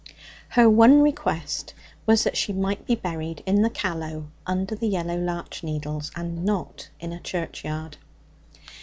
Her one request was that she might be buried in the Callow under the yellow larch needles, and not in a churchyard.